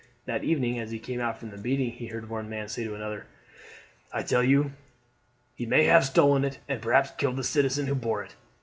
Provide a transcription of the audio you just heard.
That evening as he came out from the meeting he heard one man say to another: "I tell you he may have stolen it, and perhaps killed the citizen who bore it.